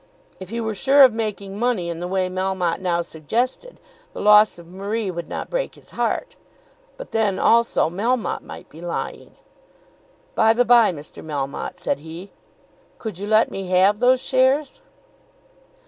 If he were sure of making money in the way Melmotte now suggested, the loss of Marie would not break his heart. But then also Melmotte might be lying. "By the bye, Mr. Melmotte," said he, "could you let me have those shares?"